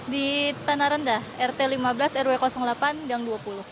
di tanah rendah rt lima belas rw delapan gang dua puluh